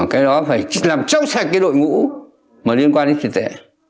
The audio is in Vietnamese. cái đó phải làm trong sạch cái đội ngũ mà liên quan đến tiền tệ